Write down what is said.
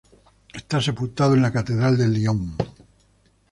Está sepultado en la Catedral de Lyon.